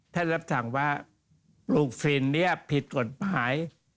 ท่านรับสั่งว่าลูกฟีนที่นี้ผิดกฎปลาย